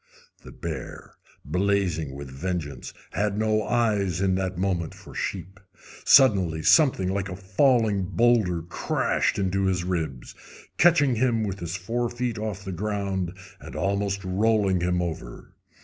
The bear, blazing with vengeance, had no eyes in that moment for sheep. Suddenly something like a falling boulder crashed into his ribs, catching him with his forefeet off the ground and almost rolling him over.